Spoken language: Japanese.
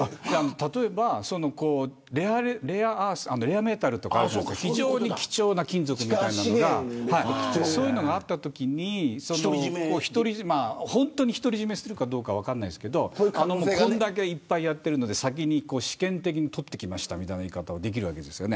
例えばレアメタルとか非常に貴重な金属みたいなのがそういうのがあったときに本当に独り占めしてるかは分からないですが先に試験的に採ってきましたみたいな言い方ができるわけです。